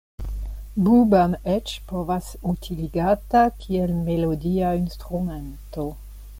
Boo-bam eĉ povas utiligata kiel melodia instrumento.